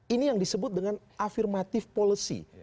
ini yang disebut dengan afirmative policy